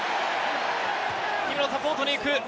サポートに行く。